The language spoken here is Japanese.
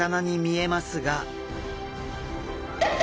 え！？